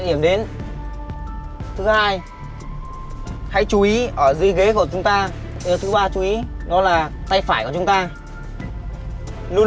điểm đến thứ hai hãy chú ý ở dưới ghế của chúng ta thứ ba chú ý đó là tay phải của chúng ta luôn